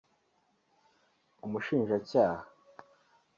Umushinjacyaha